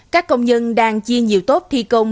các công nhân đang chia nhiều tốt thi công